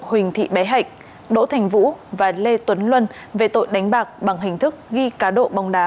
huỳnh thị bé hạnh đỗ thành vũ và lê tuấn luân về tội đánh bạc bằng hình thức ghi cá độ bóng đá